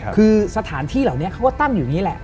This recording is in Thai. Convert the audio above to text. คือสถานที่เหล่านี้เขาก็ตั้งอยู่อย่างนี้แหละ